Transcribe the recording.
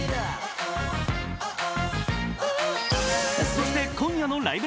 そして、今夜の「ライブ！